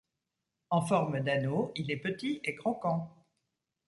En forme d'anneau il est petit et croquant.